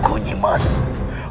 aku benar benar sangat ikhlas